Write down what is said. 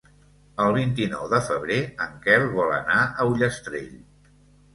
El vint-i-nou de febrer en Quel vol anar a Ullastrell.